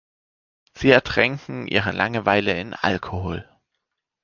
Sie ertränken ihre Langeweile in Alkohol.